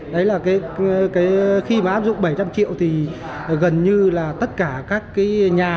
đấy là khi mà áp dụng bảy trăm linh triệu thì gần như là tất cả các cái nhà